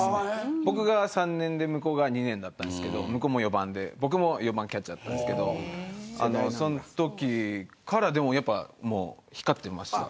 僕が３年で向こうが２年だったんですけど向こう４番で、僕も４番キャッチャーだったんですけどそのときからやっぱり光っていました。